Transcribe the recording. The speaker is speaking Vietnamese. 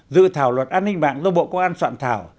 dự thảo luật an ninh mạng do bộ công an soạn thảo